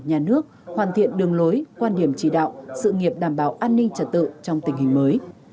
nhà nước hoàn thiện đường lối quan điểm chỉ đạo sự nghiệp đảm bảo an ninh trật tự trong tình hình mới